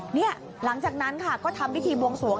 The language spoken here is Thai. หลังจากนั้นค่ะก็ทำพิธีบวงสวง